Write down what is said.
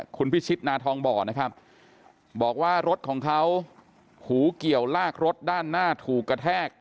คุณพิชิตนาทองบ่อนะครับบอกว่ารถของเขาหูเกี่ยวลากรถด้านหน้าถูกกระแทก